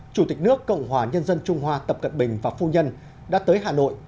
chủ tịch nước cộng hòa nhân dân trung hoa tập cận bình và phu nhân đã tới hà nội